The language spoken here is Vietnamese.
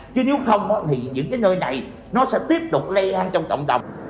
chứ nếu không thì những cái nơi này nó sẽ tiếp tục lây lan trong cộng đồng